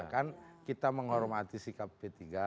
kan kita menghormati sikap p tiga